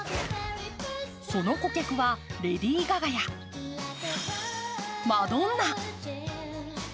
その顧客は、レディー・ガガやマドンナ。